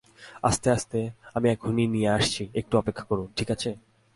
আস্তে আস্তে, আমি এক্ষুনি নিয়ে আসছি একটু অপেক্ষা করুন, ঠিক আছে?